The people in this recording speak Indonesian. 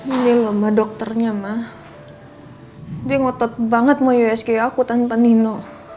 ini lomba dokternya mah hai di ngotot banget mau yg aku tanpa nino